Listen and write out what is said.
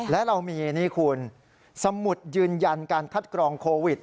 และเรามีนี่คุณสมุดยืนยันการคัดกรองโควิด